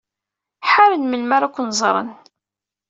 Ḥaren melmi ara ken-ẓren.